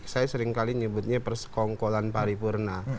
saya sering kali nyebutnya persekongkolan paripurna